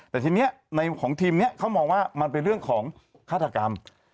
แต่ทีนี้ในของทีมนี้เขามองว่ามันเป็นเรื่องของฆาตกรรม